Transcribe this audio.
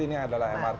ini adalah mrt